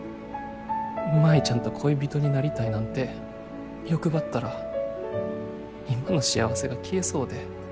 舞ちゃんと恋人になりたいなんて欲張ったら今の幸せが消えそうで。